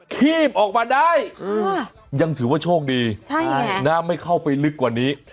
ขี้หูออกมาได้อ่ายังถือว่าโชกดีใช่ไงน่าไม่เข้าไปลึกกว่านี้